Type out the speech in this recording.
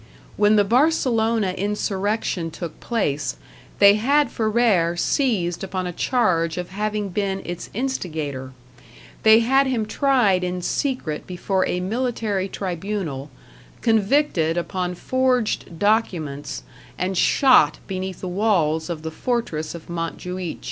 When the Barcelona insurrection took place, they had Ferrer seized upon a charge of having been its instigator; they had him tried in secret before a military tribunal, convicted upon forged documents, and shot beneath the walls of the fortress of Montjuich.